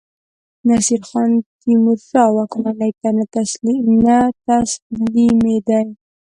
نصیرخان تیمورشاه واکمنۍ ته نه تسلیمېدی.